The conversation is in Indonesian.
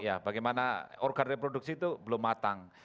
ya bagaimana organ reproduksi itu belum matang